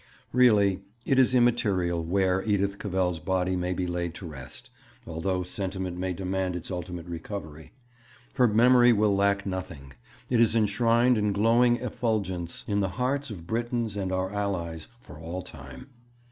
Really it is immaterial where Edith Cavell's body may be laid to rest, although sentiment may demand its ultimate recovery. Her memory will lack nothing. It is enshrined in glowing effulgence in the hearts of Britons and our Allies for all time.